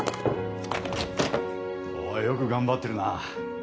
おおよく頑張ってるな